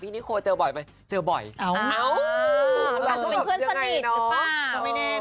พี่นิโครู้สึกยังไงบ้างตอนนี้คนจับจริงกัน